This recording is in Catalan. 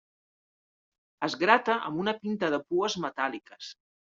Es grata amb una pinta de pues metàl·liques.